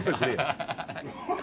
ハハハハ！